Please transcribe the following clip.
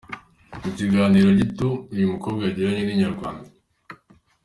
Mu kiganiro gito uyu mukobwa yagiranye na Inyarwanda.